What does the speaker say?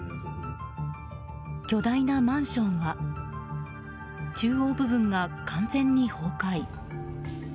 巨大なマンションは中央部分が完全に崩壊。